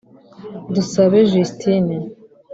Dusabe Justine